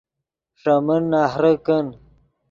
ݰے من نہرے کن